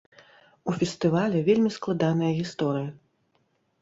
У фестываля вельмі складаная гісторыя.